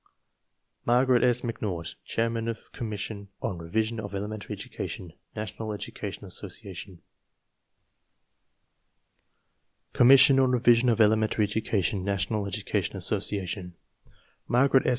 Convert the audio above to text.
Margaret S. McNaught Chairman of Commission on Revision of Elementary Education, National Education Association V vu COMMISSION ON REVISION OF ELEMENTARY EDUCATION, NATIONAL EDUCATION ASSOCIATION Margaret S.